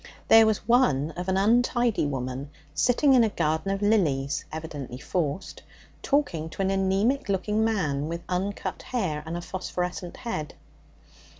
There was one of an untidy woman sitting in a garden of lilies evidently forced talking to an anaemic looking man with uncut hair and a phosphorescent head.